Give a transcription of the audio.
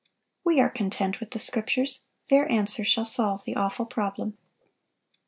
We are content with the Scriptures; their answer shall solve the awful problem.